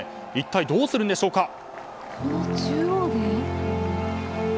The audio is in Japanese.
一体どうするんでしょうか。